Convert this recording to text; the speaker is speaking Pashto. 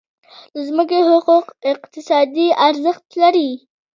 د ځمکې حقوق اقتصادي ارزښت لري.